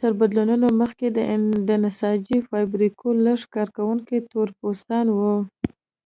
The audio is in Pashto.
تر بدلونونو مخکې د نساجۍ فابریکو لږ کارکوونکي تور پوستان وو.